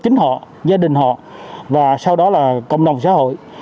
chính họ gia đình họ và sau đó là cộng đồng xã hội